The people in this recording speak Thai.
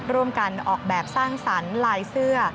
ร่วมกันออกแบบสร้างสรรค์ลายเสื้อ